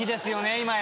今や。